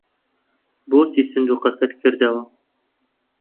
بۆچی سندووقەکەت کردەوە؟